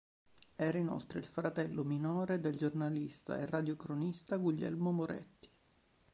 Era inoltre il fratello minore del giornalista e radiocronista Guglielmo Moretti.